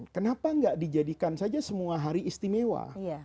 kenapa nggak dijadikan saja semua hari istimewa